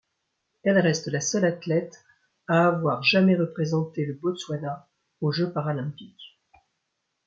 Elle reste la seule athlète à avoir jamais représenté le Botswana aux jeux paralympiques.